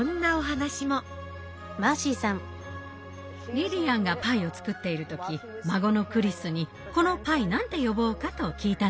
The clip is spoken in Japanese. リリアンがパイを作っている時孫のクリスに「このパイ何て呼ぼうか？」と聞いたんですって。